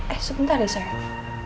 eh sebentar ya sayang